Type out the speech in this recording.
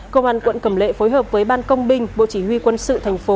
công an quận cầm lệ phối hợp với ban công binh bộ chỉ huy quân sự thành phố